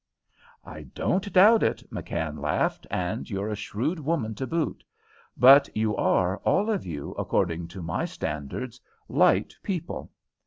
"I don't doubt it," McKann laughed, "and you're a shrewd woman to boot. But you are, all of you, according to my standards, light people.